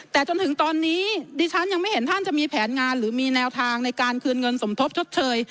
แต่จนถึงตอนนี้ดิฉันยังไม่เห็นท่านจะมีแผนงานหรือมีแนวทางในการคืนเงินสมทบชดเชย